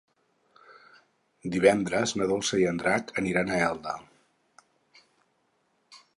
Divendres na Dolça i en Drac aniran a Elda.